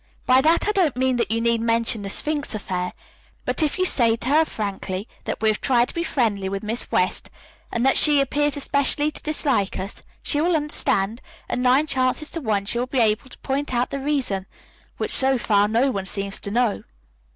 "By that I don't mean that you need mention the Sphinx affair, but if you say to her frankly that we have tried to be friendly with Miss West and that she appears especially to dislike us, she will understand, and nine chances to one she will be able to point out the reason, which so far no one seems to know."